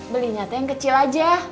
belinya tuh yang kecil aja